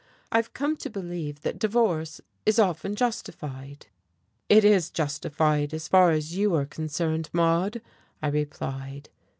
I've come to believe that divorce is often justified." "It is justified so far as you are concerned, Maude," I replied.